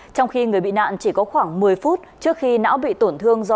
trong khi người bị nạn chỉ có khoảng một mươi phút trước khi não bị tổn thương do